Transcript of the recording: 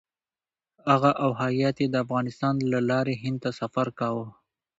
هغه او هیات یې د افغانستان له لارې هند ته سفر کاوه.